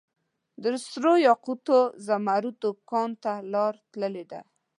دسرو یاقوتو ، زمردو کان ته لار تللي ده